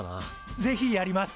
ぜひやります。